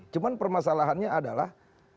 cuma permasalahannya adalah